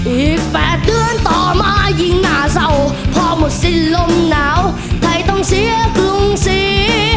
อีก๘เดือนต่อมายิ่งน่าเศร้าพอหมดสิ้นลมหนาวไทยต้องเสียกรุงศรี